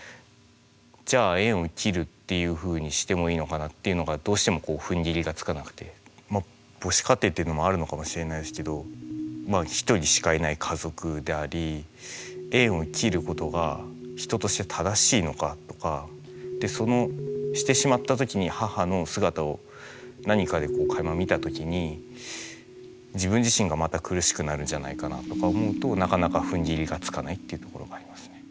じゃあ縁を切るっていうふうにしてもいいのかなっていうのがどうしてもこうふんぎりがつかなくて母子家庭っていうのもあるのかもしれないですけど一人しかいない家族でありしてしまった時に母の姿を何かでかいま見た時に自分自身がまた苦しくなるんじゃないかなあとか思うとなかなかふんぎりがつかないっていうところがありますね。